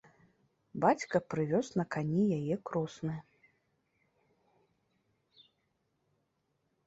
Бацька прывёз на кані яе кросны.